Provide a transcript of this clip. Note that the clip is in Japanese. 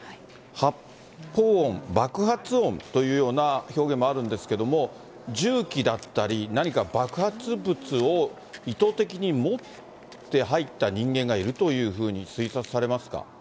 発砲音、爆発音というような表現もあるんですけども、じゅうきだったり、何か爆発物を意図的に持って入った人間がいるというふうに推察さ